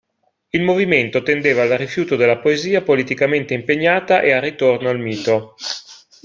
Il movimento tendeva al rifiuto della poesia politicamente impegnata e al ritorno al mito.